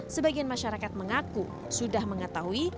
sebagian masyarakat mengaku sudah mengetahui